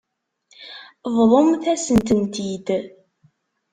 Bḍumt-asent-tent-id.